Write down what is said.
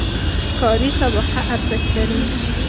کاري سابقه ارزښت لري